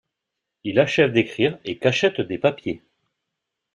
Il achève d'écrire et cachette des papiers.